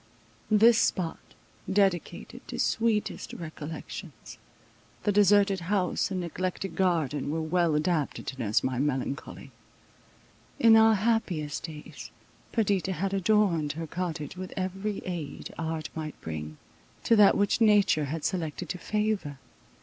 This spot, dedicated to sweetest recollections, the deserted house and neglected garden were well adapted to nurse my melancholy. In our happiest days, Perdita had adorned her cottage with every aid art might bring, to that which nature had selected to favour.